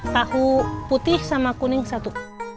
tahu putih sama kuning satu